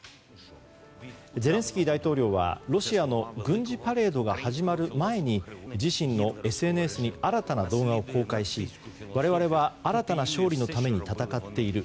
ゼレンスキー大統領は、ロシアの軍事パレードが始まる前に自身のＳＮＳに新たな動画を公開し我々は新たな勝利のために戦っている。